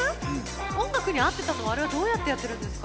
音楽に合ってたのはあれはどうやってやってるんですか？